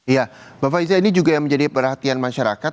ya bapak reza ini juga yang menjadi perhatian masyarakat